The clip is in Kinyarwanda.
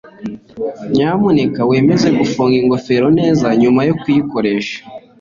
nyamuneka wemeze gufunga ingofero neza nyuma yo kuyikoresha